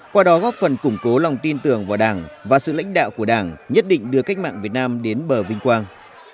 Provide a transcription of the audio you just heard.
qua đó góp phần củng cố lòng tin tưởng vào đảng và sự lãnh đạo của đảng nhất định đưa cách mạng việt nam đến bờ vinh quang